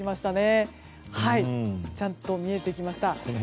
ちゃんと見えてきました。